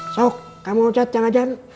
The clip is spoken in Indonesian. ajan kamu mengucat yang ajan